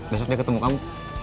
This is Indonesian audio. besok dia ketemu kamu